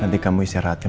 nanti kamu istirahatnya